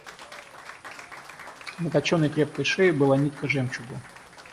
На точеной крепкой шее была нитка жемчугу.